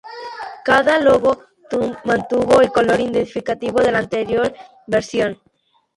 Cada logo mantuvo el color identificativo de la anterior versión.